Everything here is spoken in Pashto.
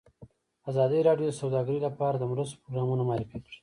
ازادي راډیو د سوداګري لپاره د مرستو پروګرامونه معرفي کړي.